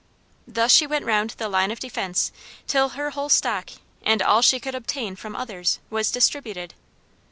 Thus she went round the line of defense till her whole stock, and all she could obtain from others, was distributed.